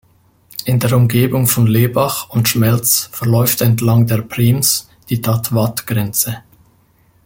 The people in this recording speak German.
In der Umgebung von Lebach und Schmelz verläuft entlang der Prims die „datt-watt“-Grenze.